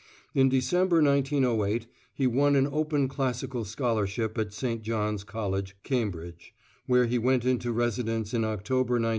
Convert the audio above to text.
In December, 1908, he won an open Classical scholarship at St John's College, Cambridge, where he went into residence in October, 1909.